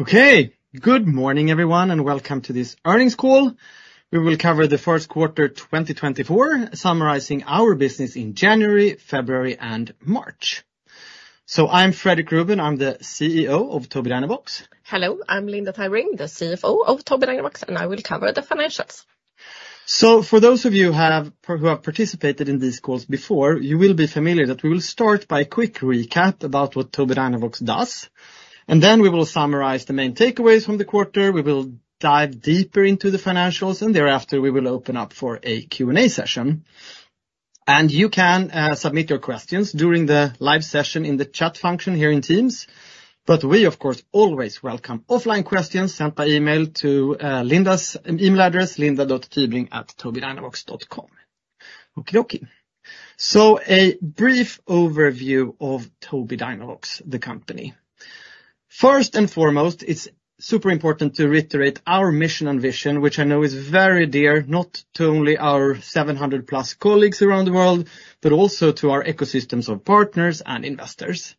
Okay, good morning everyone and welcome to this earnings call. We will cover the first quarter 2024, summarizing our business in January, February, and March. I'm Fredrik Ruben, I'm the CEO of Tobii Dynavox. Hello, I'm Linda Tybring, the CFO of Tobii Dynavox, and I will cover the financials. So for those of you who have participated in these calls before, you will be familiar that we will start by a quick recap about what Tobii Dynavox does, and then we will summarize the main takeaways from the quarter. We will dive deeper into the financials, and thereafter we will open up for a Q&A session. And you can submit your questions during the live session in the chat function here in Teams, but we of course always welcome offline questions sent by email to Linda's email address, linda.tybring@tobiidynavox.com. Okay. So a brief overview of Tobii Dynavox, the company. First and foremost, it's super important to reiterate our mission and vision, which I know is very dear not to only our 700+ colleagues around the world but also to our ecosystems of partners and investors.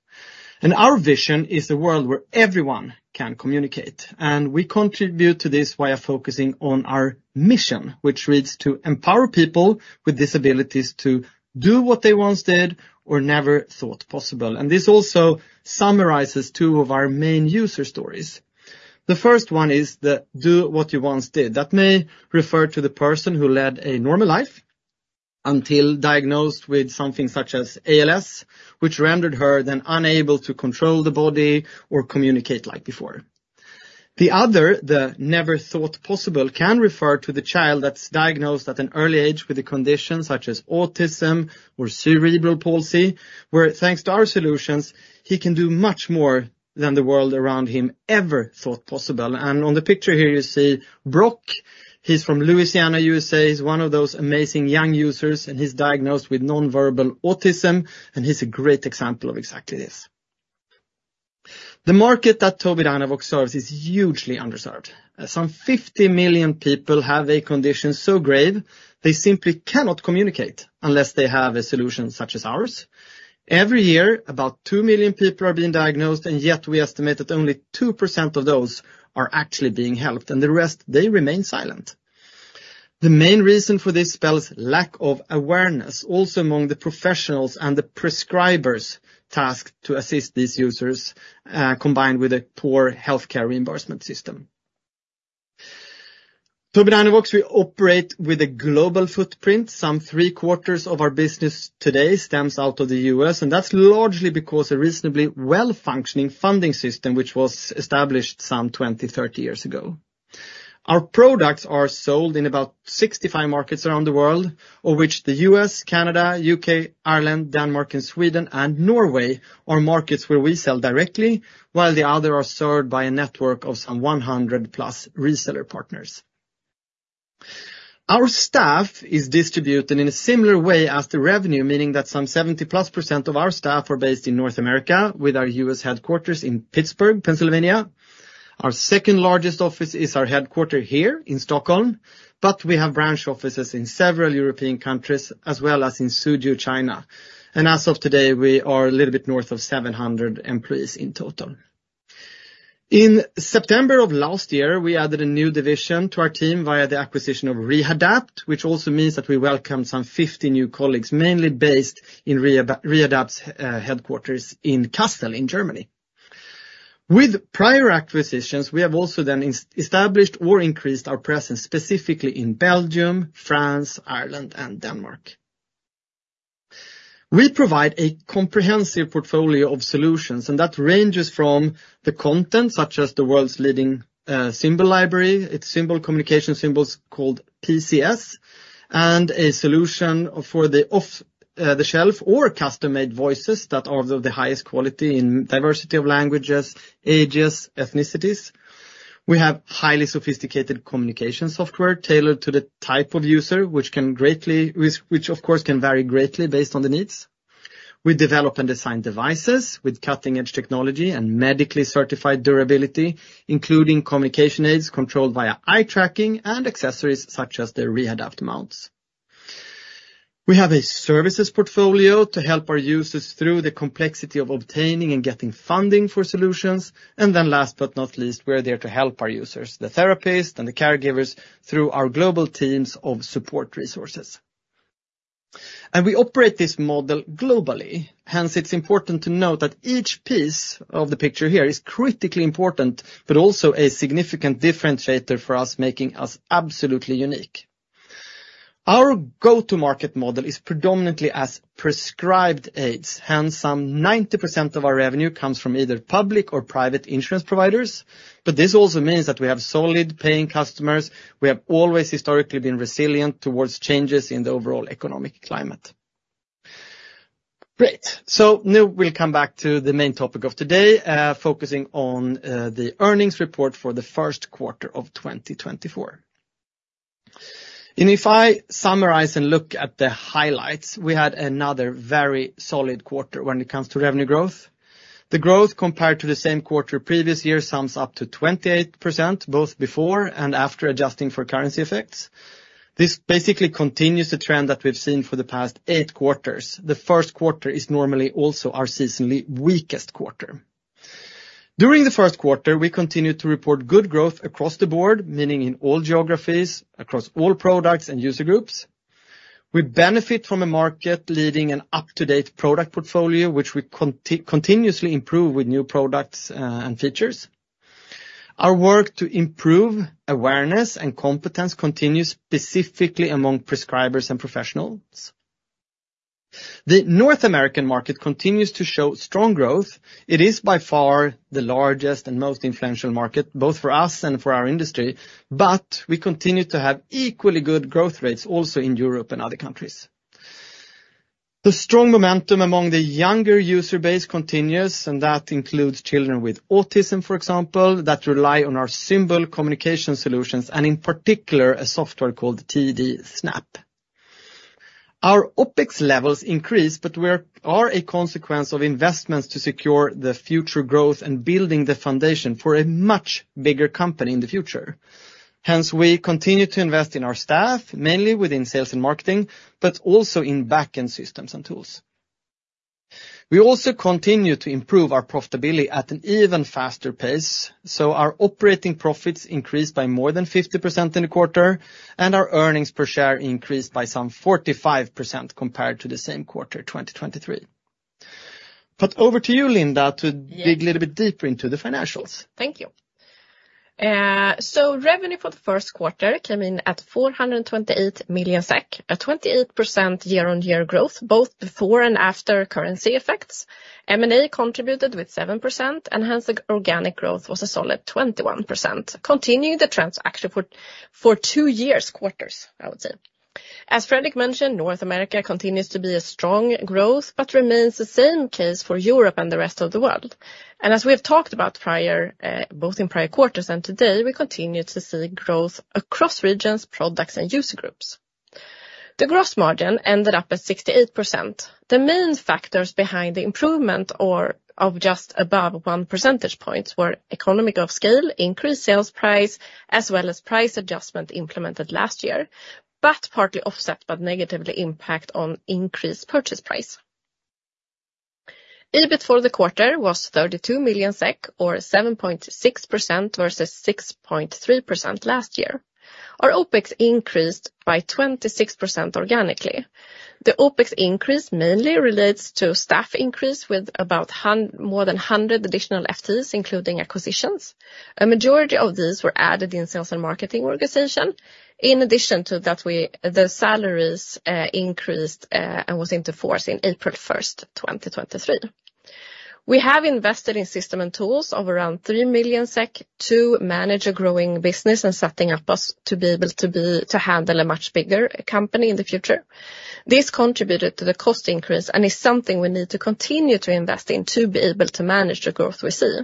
Our vision is a world where everyone can communicate, and we contribute to this via focusing on our mission, which reads to empower people with disabilities to do what they once did or never thought possible. This also summarizes two of our main user stories. The first one is the "do what you once did." That may refer to the person who led a normal life until diagnosed with something such as ALS, which rendered her then unable to control the body or communicate like before. The other, the "never thought possible," can refer to the child that's diagnosed at an early age with a condition such as autism or cerebral palsy, where thanks to our solutions he can do much more than the world around him ever thought possible. On the picture here you see Brock. He's from Louisiana, USA. He's one of those amazing young users, and he's diagnosed with nonverbal autism, and he's a great example of exactly this. The market that Tobii Dynavox serves is hugely underserved. Some 50 million people have a condition so grave they simply cannot communicate unless they have a solution such as ours. Every year about 2 million people are being diagnosed, and yet we estimate that only 2% of those are actually being helped, and the rest they remain silent. The main reason for this spells lack of awareness, also among the professionals and the prescribers tasked to assist these users, combined with a poor healthcare reimbursement system. Tobii Dynavox, we operate with a global footprint. Some 3/4 of our business today stems out of the U.S., and that's largely because of a reasonably well-functioning funding system which was established some 20-30 years ago. Our products are sold in about 65 markets around the world, of which the U.S., Canada, U.K., Ireland, Denmark, Sweden, and Norway are markets where we sell directly, while the other are served by a network of some 100-plus reseller partners. Our staff is distributed in a similar way as the revenue, meaning that some 70-plus% of our staff are based in North America with our U.S. headquarters in Pittsburgh, Pennsylvania. Our second-largest office is our headquarters here in Stockholm, but we have branch offices in several European countries as well as in Suzhou, China. As of today, we are a little bit north of 700 employees in total. In September of last year, we added a new division to our team via the acquisition of Rehadapt, which also means that we welcomed some 50 new colleagues, mainly based in Rehadapt's headquarters in Kassel, in Germany. With prior acquisitions, we have also then established or increased our presence specifically in Belgium, France, Ireland, and Denmark. We provide a comprehensive portfolio of solutions, and that ranges from the content such as the world's leading symbol library, Picture Communication Symbols called PCS, and a solution for the off-the-shelf or custom-made voices that are of the highest quality in diversity of languages, ages, ethnicities. We have highly sophisticated communication software tailored to the type of user, which of course can vary greatly based on the needs. We develop and design devices with cutting-edge technology and medically certified durability, including communication aids controlled via eye tracking and accessories such as the Rehadapt mounts. We have a services portfolio to help our users through the complexity of obtaining and getting funding for solutions, and then last but not least, we're there to help our users, the therapists, and the caregivers through our global teams of support resources. We operate this model globally, hence it's important to note that each piece of the picture here is critically important but also a significant differentiator for us, making us absolutely unique. Our go-to-market model is predominantly as prescribed aids, hence some 90% of our revenue comes from either public or private insurance providers. This also means that we have solid paying customers. We have always historically been resilient toward changes in the overall economic climate. Great. Now we'll come back to the main topic of today, focusing on the earnings report for the first quarter of 2024. If I summarize and look at the highlights, we had another very solid quarter when it comes to revenue growth. The growth compared to the same quarter previous year sums up to 28%, both before and after adjusting for currency effects. This basically continues the trend that we've seen for the past eight quarters. The first quarter is normally also our seasonally weakest quarter. During the first quarter, we continued to report good growth across the board, meaning in all geographies, across all products and user groups. We benefit from a market-leading and up-to-date product portfolio, which we continuously improve with new products and features. Our work to improve awareness and competence continues specifically among prescribers and professionals. The North American market continues to show strong growth. It is by far the largest and most influential market, both for us and for our industry, but we continue to have equally good growth rates also in Europe and other countries. The strong momentum among the younger user base continues, and that includes children with autism, for example, that rely on our symbol communication solutions and in particular a software called TD Snap. Our OpEx levels increase, but we are a consequence of investments to secure the future growth and building the foundation for a much bigger company in the future. Hence, we continue to invest in our staff, mainly within sales and marketing, but also in back-end systems and tools. We also continue to improve our profitability at an even faster pace, so our operating profits increased by more than 50% in the quarter, and our earnings per share increased by some 45% compared to the same quarter, 2023. But over to you, Linda, to dig a little bit deeper into the financials. Thank you. So revenue for the first quarter came in at 428 million SEK, a 28% year-on-year growth both before and after currency effects. M&A contributed with 7%, and hence organic growth was a solid 21%, continuing the trends actually for 2 years, quarters, I would say. As Fredrik mentioned, North America continues to be a strong growth, but the same case remains for Europe and the rest of the world. As we have talked about prior, both in prior quarters and today, we continue to see growth across regions, products, and user groups. The gross margin ended up at 68%. The main factors behind the improvement of just above one percentage point were economies of scale, increased sales price, as well as price adjustment implemented last year but partly offset by the negative impact on increased purchase price. EBIT for the quarter was 32 million SEK or 7.6% versus 6.3% last year. Our OpEx increased by 26% organically. The OpEx increase mainly relates to staff increase with about more than 100 additional FTEs, including acquisitions. A majority of these were added in sales and marketing organization, in addition to that the salaries increased and was into force in April 1st, 2023. We have invested in system and tools of around 3 million SEK to manage a growing business and setting up us to be able to handle a much bigger company in the future. This contributed to the cost increase and is something we need to continue to invest in to be able to manage the growth we see.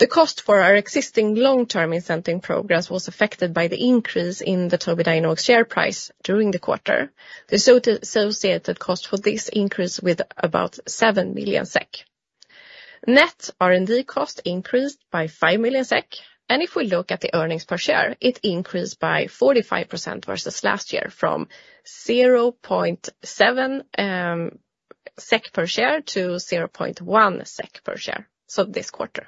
The cost for our existing long-term incentive programs was affected by the increase in the Tobii Dynavox share price during the quarter. The associated cost for this increased with about 7 million SEK. Net R&D cost increased by 5 million SEK, and if we look at the earnings per share, it increased by 45% versus last year from 0.7 SEK per share to 0.1 SEK per share this quarter.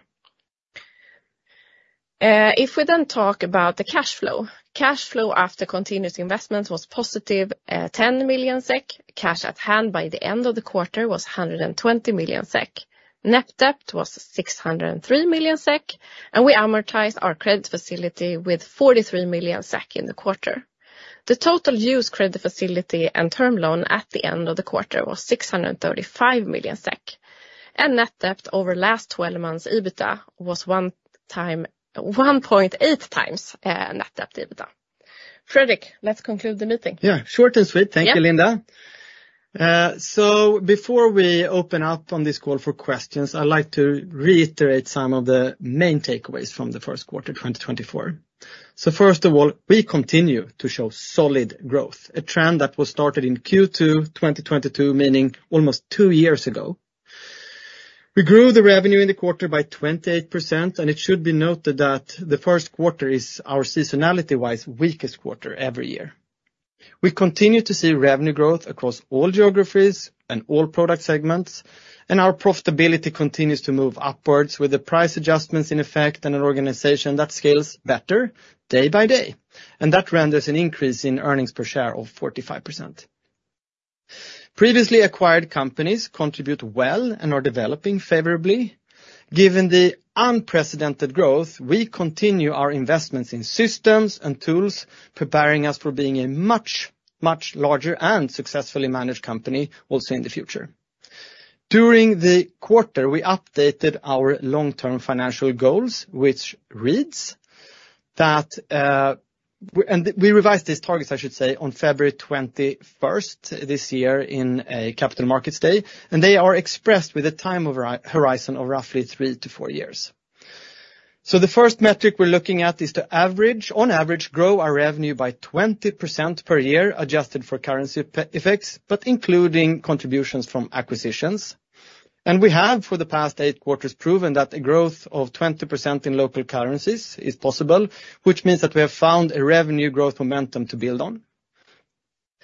If we then talk about the cash flow, cash flow after continuous investments was positive 10 million SEK. Cash at hand by the end of the quarter was 120 million SEK. Net debt was 603 million SEK, and we amortized our credit facility with 43 million SEK in the quarter. The total used credit facility and term loan at the end of the quarter was SEK 635 million. Net debt over last 12 months EBITDA was 1.8x net debt EBITDA. Fredrik, let's conclude the meeting. Yeah. Short and sweet. Thank you, Linda. So before we open up on this call for questions, I'd like to reiterate some of the main takeaways from the first quarter, 2024. So first of all, we continue to show solid growth, a trend that was started in Q2, 2022, meaning almost two years ago. We grew the revenue in the quarter by 28%, and it should be noted that the first quarter is our seasonality-wise weakest quarter every year. We continue to see revenue growth across all geographies and all product segments, and our profitability continues to move upwards with the price adjustments in effect and an organization that scales better day by day, and that renders an increase in earnings per share of 45%. Previously acquired companies contribute well and are developing favorably. Given the unprecedented growth, we continue our investments in systems and tools, preparing us for being a much, much larger and successfully managed company also in the future. During the quarter, we updated our long-term financial goals, which reads that and we revised these targets, I should say, on February 21st this year in a Capital Markets Day, and they are expressed with a time horizon of roughly three to four years. So the first metric we're looking at is to average, on average, grow our revenue by 20% per year adjusted for currency effects, but including contributions from acquisitions. And we have for the past eight quarters proven that a growth of 20% in local currencies is possible, which means that we have found a revenue growth momentum to build on.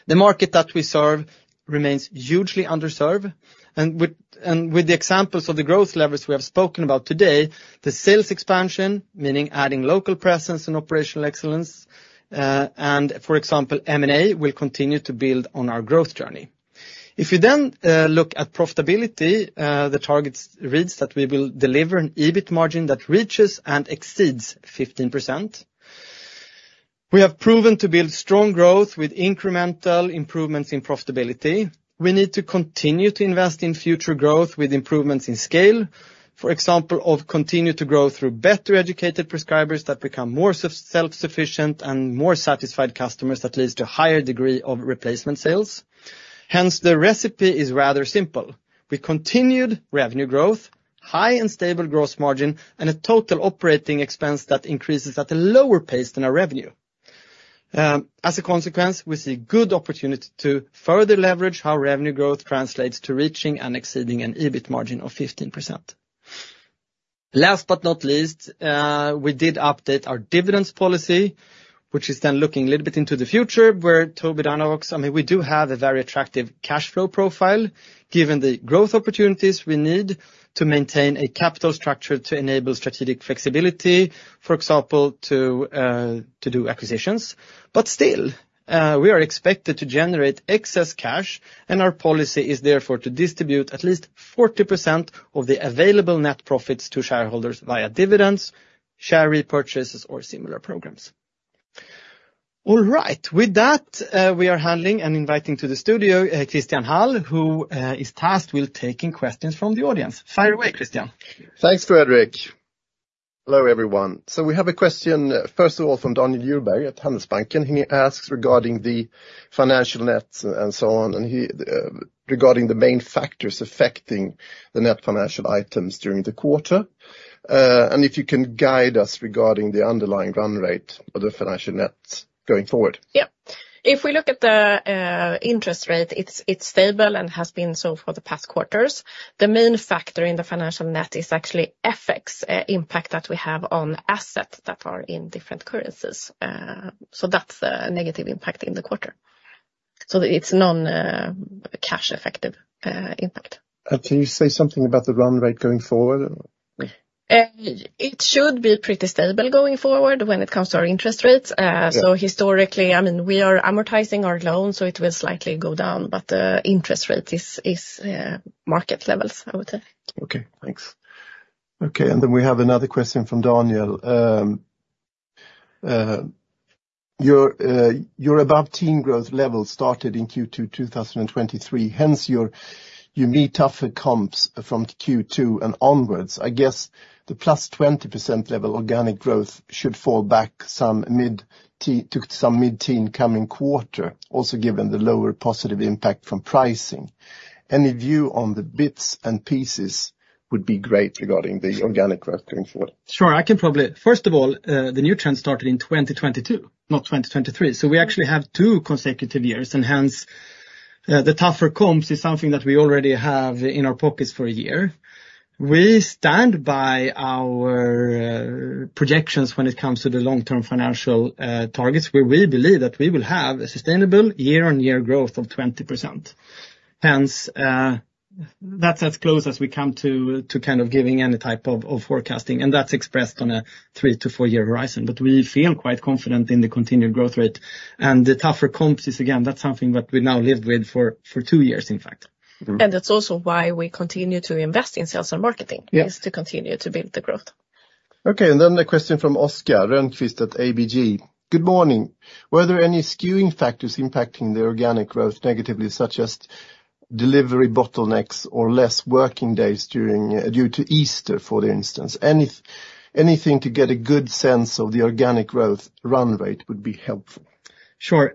The market that we serve remains hugely underserved, and with the examples of the growth levers we have spoken about today, the sales expansion, meaning adding local presence and operational excellence, and for example, M&A will continue to build on our growth journey. If we then look at profitability, the targets reads that we will deliver an EBIT margin that reaches and exceeds 15%. We have proven to build strong growth with incremental improvements in profitability. We need to continue to invest in future growth with improvements in scale, for example, of continue to grow through better educated prescribers that become more self-sufficient and more satisfied customers that leads to a higher degree of replacement sales. Hence, the recipe is rather simple. We continued revenue growth, high and stable gross margin, and a total operating expense that increases at a lower pace than our revenue. As a consequence, we see good opportunity to further leverage how revenue growth translates to reaching and exceeding an EBIT margin of 15%. Last but not least, we did update our dividend policy, which is then looking a little bit into the future where Tobii Dynavox I mean, we do have a very attractive cash flow profile given the growth opportunities we need to maintain a capital structure to enable strategic flexibility, for example, to do acquisitions. But still, we are expected to generate excess cash, and our policy is therefore to distribute at least 40% of the available net profits to shareholders via dividends, share repurchases, or similar programs. All right. With that, we are handing and inviting to the studio Christian Hall, who is tasked with taking questions from the audience. Fire away, Christian. Thanks, Fredrik. Hello, everyone. So we have a question, first of all, from Daniel Djurberg at Handelsbanken. He asks regarding the financial nets and so on, and regarding the main factors affecting the net financial items during the quarter. And if you can guide us regarding the underlying run rate of the financial nets going forward. Yeah. If we look at the interest rate, it's stable and has been so for the past quarters. The main factor in the financial net is actually FX impact that we have on assets that are in different currencies. So that's a negative impact in the quarter. So it's non-cash effective impact. Can you say something about the run rate going forward? It should be pretty stable going forward when it comes to our interest rates. So historically, I mean, we are amortizing our loan, so it will slightly go down, but the interest rate is market levels, I would say. Okay. Thanks. Okay. And then we have another question from Daniel. Your above-teen growth level started in Q2, 2023. Hence, you meet tougher comps from Q2 and onwards. I guess the +20% level organic growth should fall back some mid-teen coming quarter, also given the lower positive impact from pricing. Any view on the bits and pieces would be great regarding the organic growth going forward. Sure. I can probably first of all, the new trend started in 2022, not 2023. So we actually have two consecutive years, and hence, the tougher comps is something that we already have in our pockets for a year. We stand by our projections when it comes to the long-term financial targets where we believe that we will have a sustainable year-on-year growth of 20%. Hence, that's as close as we come to kind of giving any type of forecasting, and that's expressed on a 3-4-year horizon. But we feel quite confident in the continued growth rate, and the tougher comps is, again, that's something that we now live with for 2 years, in fact. That's also why we continue to invest in sales and marketing, is to continue to build the growth. Okay. And then a question from Oskar Rönnqvist at ABG. Good morning. Were there any skewing factors impacting the organic growth negatively, such as delivery bottlenecks or less working days due to Easter, for instance? Anything to get a good sense of the organic growth run rate would be helpful. Sure.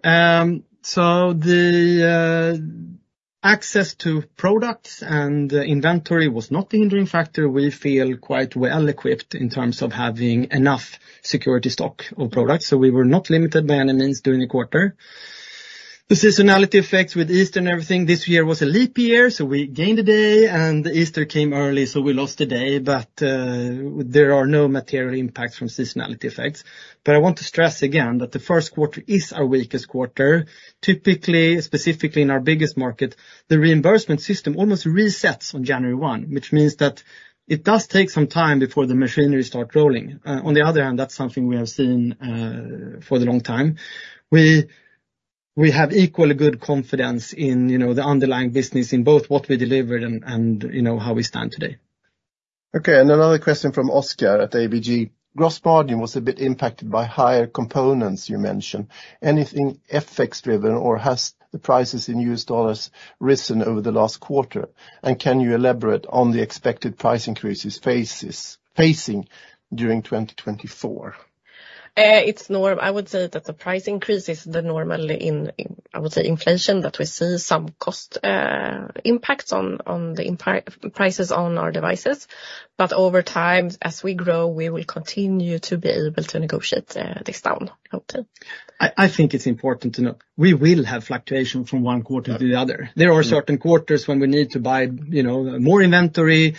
So the access to products and inventory was not the hindering factor. We feel quite well-equipped in terms of having enough security stock of products, so we were not limited by any means during the quarter. The seasonality effects with Easter and everything, this year was a leap year, so we gained a day, and Easter came early, so we lost a day, but there are no material impacts from seasonality effects. But I want to stress again that the first quarter is our weakest quarter. Typically, specifically in our biggest market, the reimbursement system almost resets on January 1, which means that it does take some time before the machinery starts rolling. On the other hand, that's something we have seen for a long time. We have equally good confidence in the underlying business in both what we delivered and how we stand today. Okay. And another question from Oskar at ABG. Gross margin was a bit impacted by higher components, you mentioned. Anything FX-driven or has the prices in U.S. dollars risen over the last quarter? And can you elaborate on the expected price increases facing during 2024? It's normal. I would say that the price increase is normally in, I would say, inflation that we see some cost impacts on the prices on our devices. But over time, as we grow, we will continue to be able to negotiate this down, I would say. I think it's important to note we will have fluctuation from one quarter to the other. There are certain quarters when we need to buy more inventory,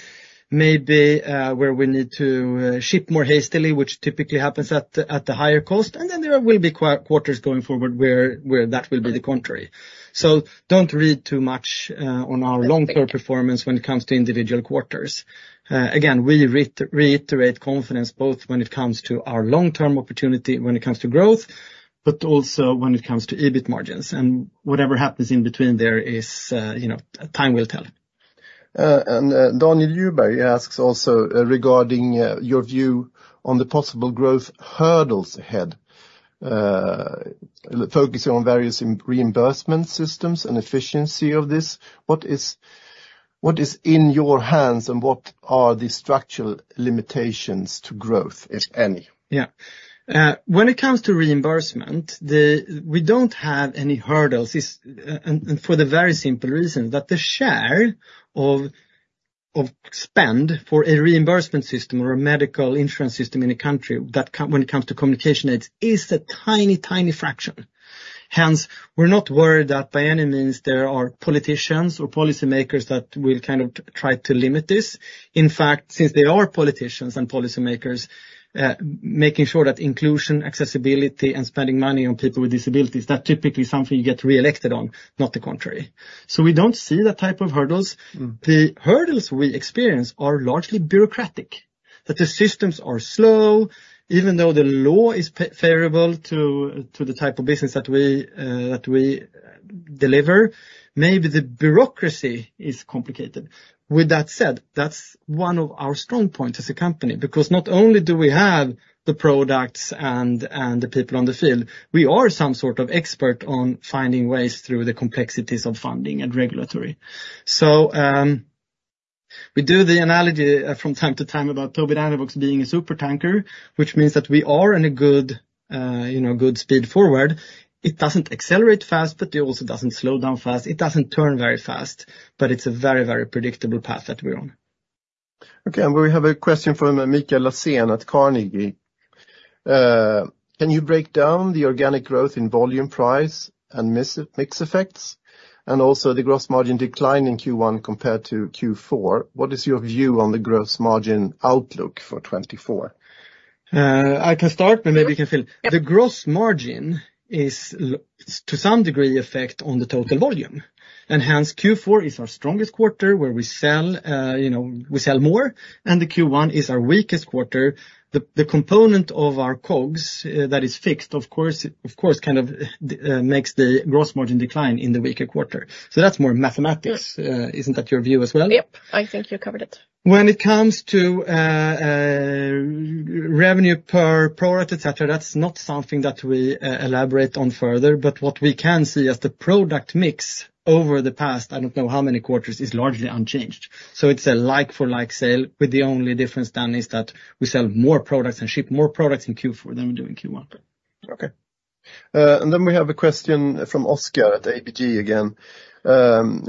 maybe where we need to ship more hastily, which typically happens at the higher cost, and then there will be quarters going forward where that will be the contrary. So don't read too much into our long-term performance when it comes to individual quarters. Again, we reiterate confidence both when it comes to our long-term opportunity, when it comes to growth, but also when it comes to EBIT margins. And whatever happens in between, time will tell. Daniel Djurberg asks also regarding your view on the possible growth hurdles ahead, focusing on various reimbursement systems and efficiency of this. What is in your hands, and what are the structural limitations to growth, if any? Yeah. When it comes to reimbursement, we don't have any hurdles for the very simple reason that the share of spend for a reimbursement system or a medical insurance system in a country when it comes to communication aids is a tiny, tiny fraction. Hence, we're not worried that by any means there are politicians or policymakers that will kind of try to limit this. In fact, since they are politicians and policymakers, making sure that inclusion, accessibility, and spending money on people with disabilities, that's typically something you get reelected on, not the contrary. So we don't see that type of hurdles. The hurdles we experience are largely bureaucratic, that the systems are slow, even though the law is favorable to the type of business that we deliver. Maybe the bureaucracy is complicated. With that said, that's one of our strong points as a company because not only do we have the products and the people on the field, we are some sort of expert on finding ways through the complexities of funding and regulatory. So we do the analogy from time to time about Tobii Dynavox being a supertanker, which means that we are in a good speed forward. It doesn't accelerate fast, but it also doesn't slow down fast. It doesn't turn very fast, but it's a very, very predictable path that we're on. Okay. We have a question from Mikael Laséen at Carnegie. Can you break down the organic growth in volume, price, and mix effects, and also the gross margin decline in Q1 compared to Q4? What is your view on the gross margin outlook for 2024? I can start, but maybe you can fill in. The gross margin is to some degree affected on the total volume. And hence, Q4 is our strongest quarter where we sell more, and the Q1 is our weakest quarter. The component of our COGS that is fixed, of course, kind of makes the gross margin decline in the weaker quarter. So that's more mathematics. Isn't that your view as well? Yep. I think you covered it. When it comes to revenue per product, etc., that's not something that we elaborate on further, but what we can see as the product mix over the past, I don't know how many quarters, is largely unchanged. So it's a like-for-like sale, with the only difference then is that we sell more products and ship more products in Q4 than we do in Q1. Okay. And then we have a question from Oskar at ABG again.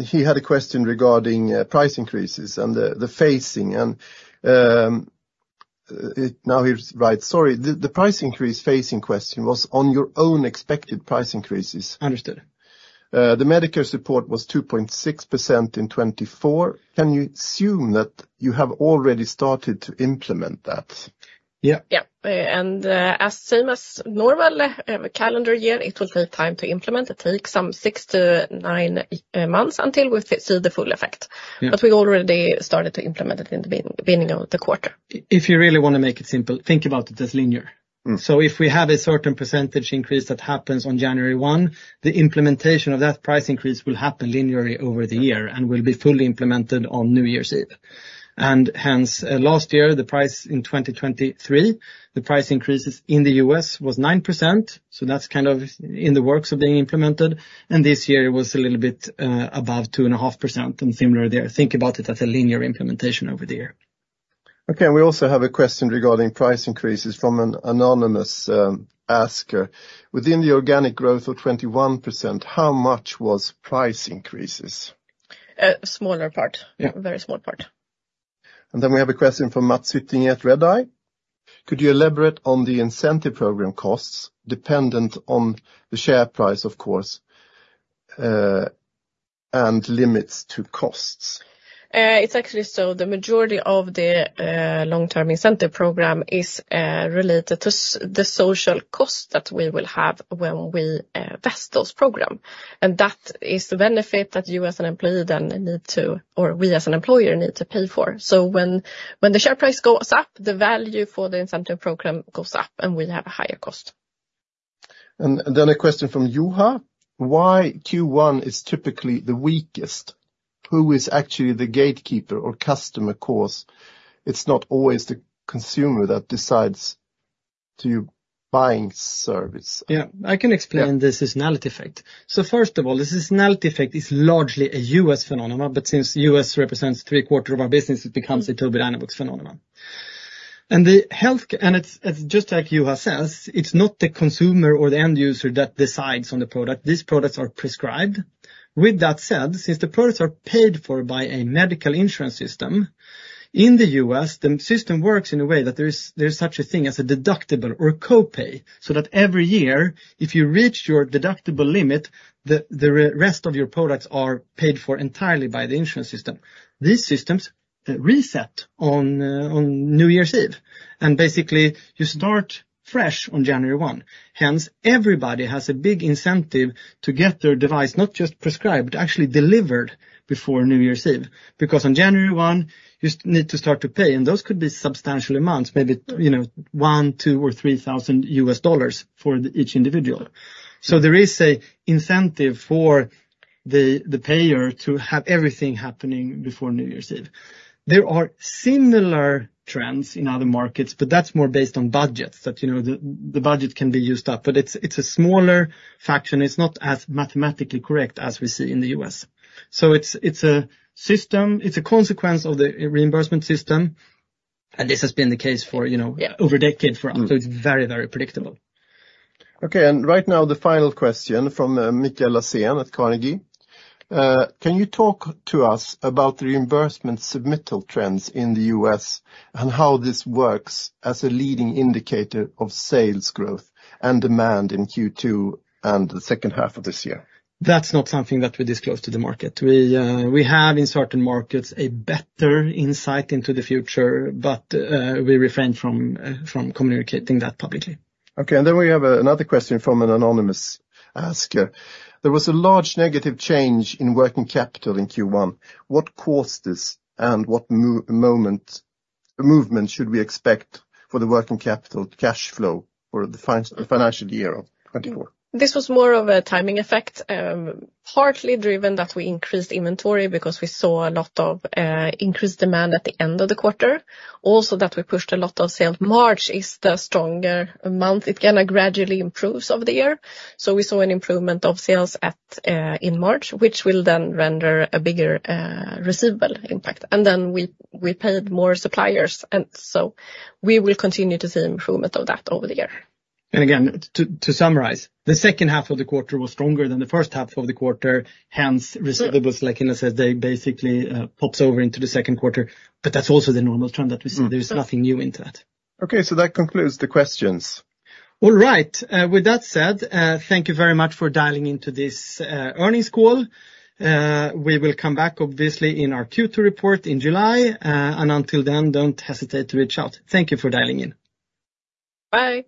He had a question regarding price increases and the facing and now he writes, "Sorry. The price increase facing question was on your own expected price increases. Understood. The Medicare support was 2.6% in 2024. Can you assume that you have already started to implement that? Yeah. Yeah. And the same as normal calendar year, it will take time to implement. It takes some 6-9 months until we see the full effect. But we already started to implement it in the beginning of the quarter. If you really want to make it simple, think about it as linear. So if we have a certain percentage increase that happens on January 1, the implementation of that price increase will happen linearly over the year and will be fully implemented on New Year's Eve. And hence, last year, the price in 2023, the price increases in the U.S. was 9%, so that's kind of in the works of being implemented. And this year, it was a little bit above 2.5% and similar there. Think about it as a linear implementation over the year. Okay. We also have a question regarding price increases from an anonymous asker. Within the organic growth of 21%, how much was price increases? Smaller part. Very small part. And then we have a question from Mats Hyttinge, Redeye. Could you elaborate on the incentive program costs dependent on the share price, of course, and limits to costs? It's actually so. The majority of the long-term incentive program is related to the social cost that we will have when we vest those programs. And that is the benefit that you as an employee then need to or we as an employer need to pay for. So when the share price goes up, the value for the incentive program goes up, and we have a higher cost. Then a question from [Juha]. Why Q1 is typically the weakest? Who is actually the gatekeeper or customer cause? It's not always the consumer that decides to buy service. Yeah. I can explain the seasonality effect. So first of all, the seasonality effect is largely a U.S. phenomenon, but since U.S. represents three-quarters of our business, it becomes a Tobii Dynavox phenomenon. It's just like [Juha] says, it's not the consumer or the end user that decides on the product. These products are prescribed. With that said, since the products are paid for by a medical insurance system in the U.S., the system works in a way that there's such a thing as a deductible or copay so that every year, if you reach your deductible limit, the rest of your products are paid for entirely by the insurance system. These systems reset on New Year's Eve, and basically, you start fresh on January 1. Hence, everybody has a big incentive to get their device not just prescribed, actually delivered before New Year's Eve because on January 1, you need to start to pay, and those could be substantial amounts, maybe $1,000, $2,000, or $3,000 for each individual. So there is an incentive for the payer to have everything happening before New Year's Eve. There are similar trends in other markets, but that's more based on budgets that the budget can be used up. But it's a smaller fraction. It's not as mathematically correct as we see in the U.S. So it's a system. It's a consequence of the reimbursement system, and this has been the case over a decade for us. So it's very, very predictable. Okay. And right now, the final question from Mikael Laséen at Carnegie. Can you talk to us about the reimbursement submittal trends in the U.S. and how this works as a leading indicator of sales growth and demand in Q2 and the second half of this year? That's not something that we disclose to the market. We have, in certain markets, a better insight into the future, but we refrain from communicating that publicly. Okay. And then we have another question from an anonymous asker. There was a large negative change in working capital in Q1. What caused this, and what movement should we expect for the working capital cash flow for the financial year of 2024? This was more of a timing effect, partly driven that we increased inventory because we saw a lot of increased demand at the end of the quarter, also that we pushed a lot of sales. March is the stronger month. It kind of gradually improves over the year. So we saw an improvement of sales in March, which will then render a bigger receivable impact. And then we paid more suppliers, and so we will continue to see improvement of that over the year. Again, to summarize, the second half of the quarter was stronger than the first half of the quarter. Hence, receivables, like Linda says, they basically popped over into the second quarter, but that's also the normal trend that we see. There's nothing new into that. Okay. So that concludes the questions. All right. With that said, thank you very much for dialing into this earnings call. We will come back, obviously, in our Q2 report in July. Until then, don't hesitate to reach out. Thank you for dialing in. Bye.